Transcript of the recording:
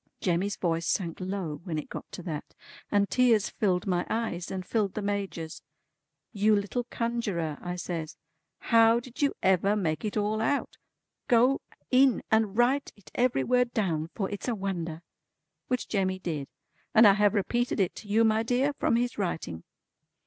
Jemmy's voice sank low when it got to that, and tears filled my eyes, and filled the Major's. "You little Conjurer" I says, "how did you ever make it all out? Go in and write it every word down, for it's a wonder." Which Jemmy did, and I have repeated it to you my dear from his writing.